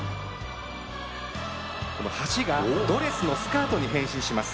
橋がドレスのスカートに変身するんです。